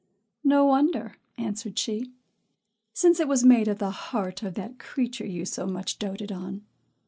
"No wonder," answered she, "since it was made of the heart of that creature you so much doated on."